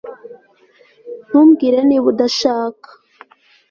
Ntumbwire niba udashaka